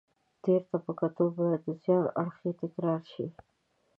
تېر ته په کتو باید د زیان اړخ یې تکرار شي.